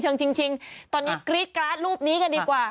ตอนนี้กรี๊ดกราศรูปนี้กันดีกว่า